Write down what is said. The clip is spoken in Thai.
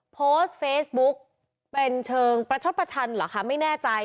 โพสต์เฟซบุ๊กเป็นเชิงประชดประชันเหรอคะไม่แน่ใจ